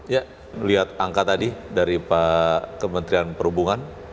ya lihat angka tadi dari pak kementerian perhubungan